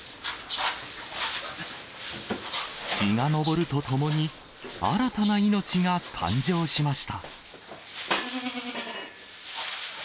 日が昇るとともに、新たな命が誕生しました。